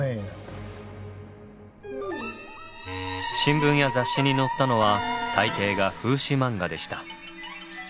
新聞や雑誌に載ったのは大抵が風刺マンガでした。